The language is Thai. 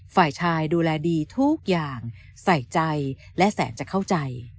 ฝ่ายชายดูแลดีทุกอย่างใส่ใจและแสนจะเข้าใจ